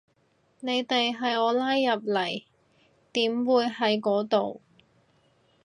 你哋係我拉入嚟，點會喺嗰度